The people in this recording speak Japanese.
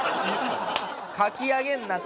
かき上げんなって。